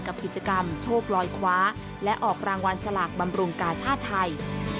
กิจกรรมโชคลอยคว้าและออกรางวัลสลากบำรุงกาชาติไทย